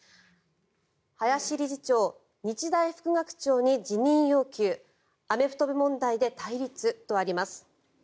林理事長日大副学長に辞任要求アメフト部問題で対立とあります。